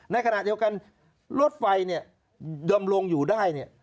ในขณะเดียวกันรถไฟยำลงอยู่ได้